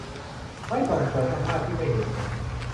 ไม่ส่งเสริม อำนาจที่ไม่เหตุผล